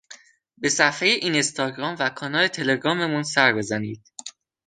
به صفحۀ اینستاگرام و کانال تلگراممون سر بزنید